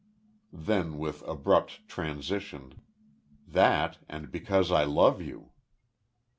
Then, with abrupt transition: "That and because I love you."